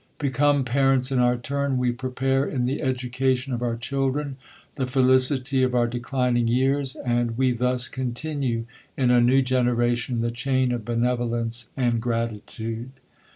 Be f. come parents in our turn, we prepare, in the education i ©f our children, the felicity of our declining years ; 4 and I i THE COLUMBIAN ORATOR. ^ 83 and wc thus continue in a new generation the chain of benevolence and gratitude.